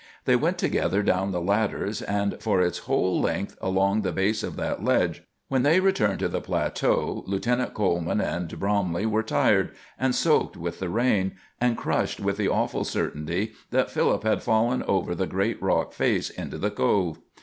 They went together down the ladders, and for its whole length along the base of that ledge. When they returned to the plateau, Lieutenant Coleman and Bromley were tired, and soaked with the rain, and crushed with the awful certainty that Philip had fallen over the great rock face into the Cove.